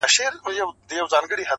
اولاد هم غم، نه اولاد هم غم.